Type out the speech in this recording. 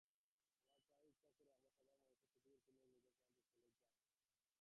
আমার প্রায়ই ইচ্ছা করে আমরা সাধারণ মানুষরা পৃথিবীর কোনাে এক নির্জন প্রান্তে চলে যাই।